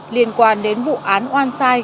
liên quan đến vụ án oan sai